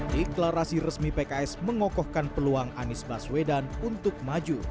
deklarasi resmi pks mengokohkan peluang anies baswedan untuk maju